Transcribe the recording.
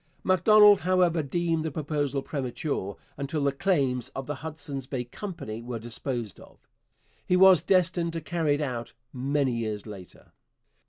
Macdonald, however, deemed the proposal premature until the claims of the Hudson's Bay Company were disposed of. He was destined to carry it out many years later.